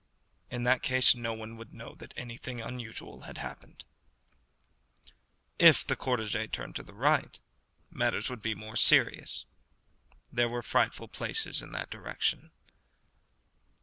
In that case no one would know that anything unusual had happened. If the cortège turned to the right, matters would be serious. There were frightful places in that direction.